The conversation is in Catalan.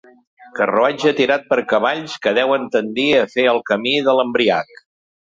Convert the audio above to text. Carruatge tirat per cavalls que deuen tendir a fer el camí de l'embriac.